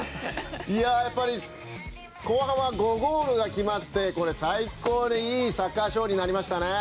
後半は５ゴールが決まって最高にいいサッカーショーになりましたね。